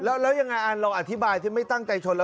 แล้วยังไงอานเราอธิบายที่ไม่ตั้งใจชน